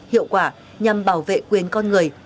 hiệu quả nhằm bảo vệ quyền con người